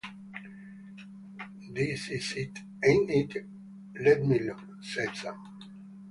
‘This is it, ain’t it?’ ‘Let me look,’ said Sam.